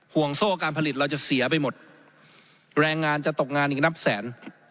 โซ่การผลิตเราจะเสียไปหมดแรงงานจะตกงานอีกนับแสน